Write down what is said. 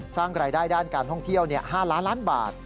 สร้างรายได้ด้านการท่องเที่ยว๕ล้านล้านบาท